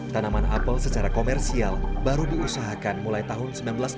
tanaman apel secara komersial baru diusahakan mulai tahun seribu sembilan ratus delapan puluh